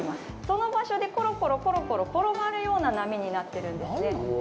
この場所でコロコロコロコロ転がるような波になってるんですね。